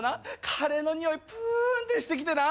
カレーのにおいぷーんってしてきてな。